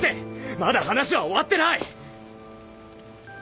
まだ話は終わってない！